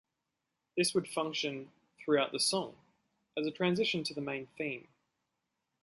This would function, throughout the song, as a transition to the main theme.